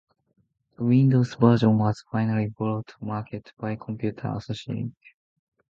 The Windows version was finally brought to market by Computer Associates.